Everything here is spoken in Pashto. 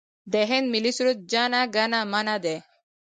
د هند ملي سرود جن ګن من دی.